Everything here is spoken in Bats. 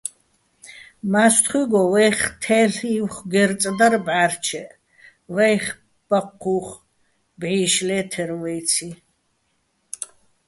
მა́სთხუჲგო ვაიხ თე́ლ'ი́ვხ გერწ დარ ბჵა́რჩეჸ, ვაიხ ბაჴჴუ́ხ ბჵი́შ ლე́თერ ვაჲციჼ.